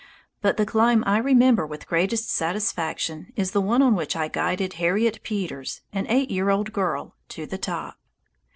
But the climb I remember with greatest satisfaction is the one on which I guided Harriet Peters, an eight year old girl, to the top.